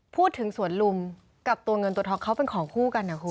สวนลุมกับตัวเงินตัวทองเขาเป็นของคู่กันนะคุณ